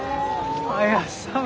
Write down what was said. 綾さん